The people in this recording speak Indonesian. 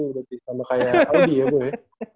berarti sama kayak audi ya bu ya